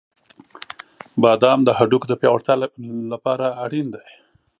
• بادام د هډوکو د پیاوړتیا لپاره اړین دي.